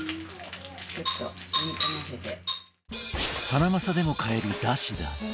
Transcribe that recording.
ハナマサでも買えるダシダ。